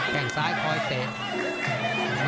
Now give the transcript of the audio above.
แค่งซ้ายคอยเตะ